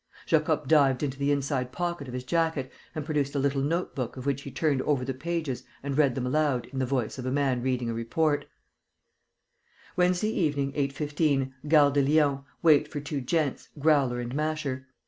Jacob dived into the inside pocket of his jacket and produced a little note book of which he turned over the pages and read them aloud in the voice of a man reading a report: "Wednesday evening, 8.15. Gare de Lyon. Wait for two gents, Growler and Masher.